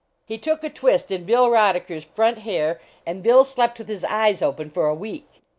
He took a twist in Bill Rodeckcr s front hair, and Bill slept with his eyes open for a week.